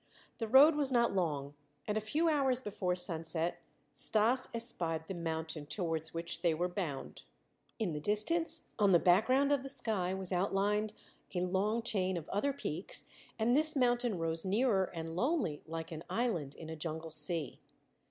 The road was not long, and a few hours before sunset Stas espied the mountain towards which they were bound. In the distance on the background of the sky was outlined a long chain of other peaks, and this mountain rose nearer and lonely, like an island in a jungle sea.